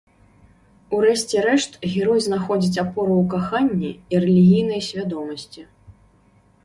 У рэшце рэшт, герой знаходзіць апору ў каханні і рэлігійнай свядомасці.